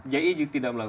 jij tidak melakukan